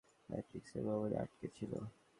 ম্যাট্রিক্সের ভ্রমে আটকে ছিল!